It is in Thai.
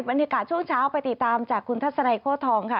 บรรยากาศช่วงเช้าไปติดตามจากคุณทัศนัยโค้ทองค่ะ